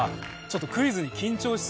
ちょっとクイズに。